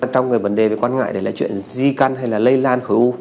trong cái vấn đề về quan ngại là chuyện di căn hay là lây lan khối u